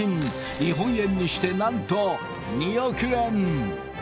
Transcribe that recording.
日本円にしてなんと２億円！